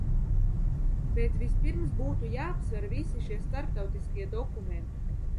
Bet vispirms būtu jāapsver visi šie starptautiskie dokumenti.